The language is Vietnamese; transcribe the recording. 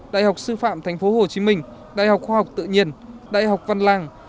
đại học sư phạm tp hcm đại học khoa học tự nhiên đại học văn lang